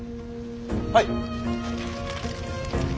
はい。